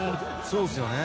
「そうですよね」